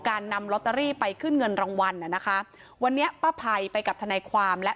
การนำลอตเตอรี่ไปขึ้นเงินรางวัลน่ะนะคะวันนี้ป้าภัยไปกับทนายความและ